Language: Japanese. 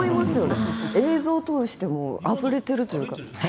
映像通してもあふれてるというか。